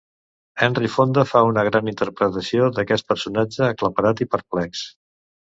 Henry Fonda fa una gran interpretació d'aquest personatge aclaparat i perplex.